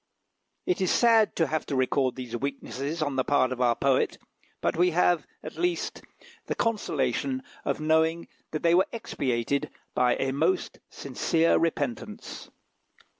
It is sad to have to record these weaknesses on the part of our poet, but we have, at least, the consolation of knowing that they were expiated by a most sincere repentance.